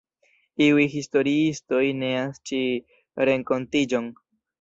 Iuj historiistoj neas ĉi renkontiĝon.